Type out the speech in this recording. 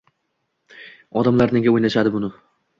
Odamlar nega o‘ynashadi buni?